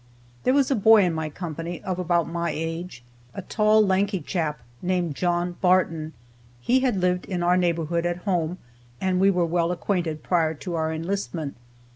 There was a boy in my company of about my age; a tall, lanky chap, named John Barton. He had lived in our neighborhood at home, and we were well acquainted prior to our enlistment.